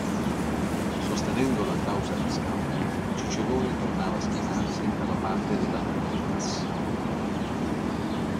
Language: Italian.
Sostenendo la causa di Scauro, Cicerone tornava a schierarsi dalla parte della nobilitas.